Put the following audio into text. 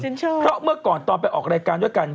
เอ่อฉันชอบเพราะเมื่อก่อนตอนไปออกรายการด้วยกัน